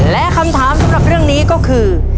และคำถามสำหรับเรื่องนี้ก็คือ